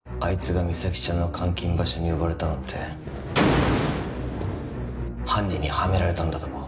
あいつが実咲ちゃんの監禁場所に呼ばれたのって犯人にはめられたんだと思う